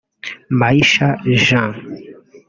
Maisha jean